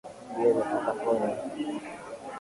Mbio za sakafuni.